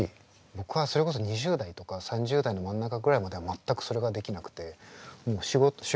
僕はそれこそ２０代とか３０代の真ん中ぐらいまでは全くそれができなくてもう仕事しかなかったから。